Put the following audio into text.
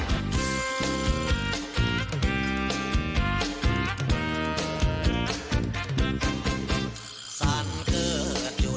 อารมณ์นี้แหละครับสวัสดีค่ะคุณเบนคุณก๊อฟสวัสดีครับผม